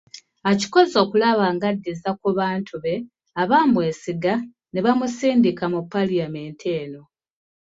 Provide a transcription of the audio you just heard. Akikoze okulaba ng’addiza ku bantu be abaamwesiga ne bamusindika mu Paliyamenti eno.